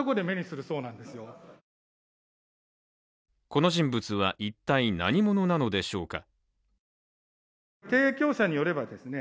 この人物は一体何者なのでしょうか。